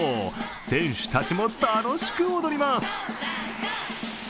選手たちも楽しく踊ります。